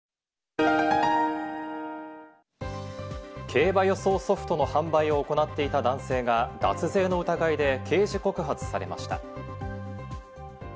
競馬予想ソフトの販売を行っていた男性が脱税の疑いで刑事告発されました。